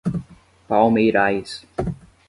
Palmeirais